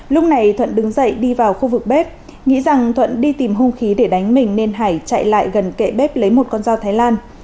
lúc này thuận đứng dậy đi vào khu vực bếp nghĩ rằng thuận đi tìm hung khí để đánh mình nên hải chạy lại gần kệ bếp lấy một con dao thái lan